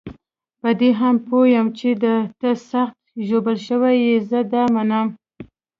په دې هم پوه یم چې ته سخت ژوبل شوی یې، زه دا منم.